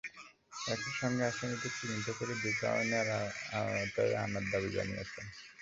একই সঙ্গে আসামিদের চিহ্নিত করে দ্রুত আইনের আওতায় আনার দাবি জানিয়েছেন।